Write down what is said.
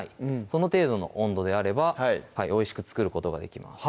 その程度の温度であればおいしく作ることができます